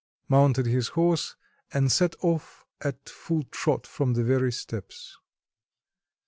mounted his horse, and set off at full trot from the very steps.